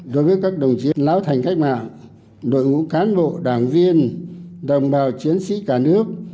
đối với các đồng chí lão thành cách mạng đội ngũ cán bộ đảng viên đồng bào chiến sĩ cả nước